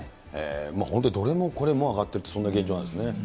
本当、どれもこれも上がっていって、そんな状況なんですね。